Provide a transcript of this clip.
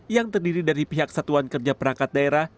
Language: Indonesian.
yang terdiri dari pihak satuan kerja perangkat daerah